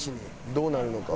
どうなるのか。